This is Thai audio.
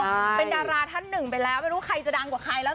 เป็นดาราท่านหนึ่งไปแล้วไม่รู้ใครจะดังกว่าใครแล้ว